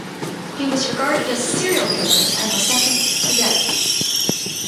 He was regarded as a serial killer and was sentenced to death.